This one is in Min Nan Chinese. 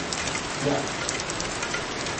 食